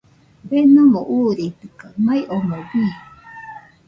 Denomo uuritɨkaɨ, mai omoɨ bii.